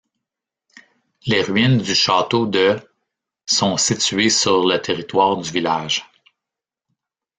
Les ruines du château de sont situées sur le territoire du village.